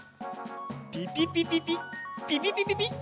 ピピピピピピピピピピ。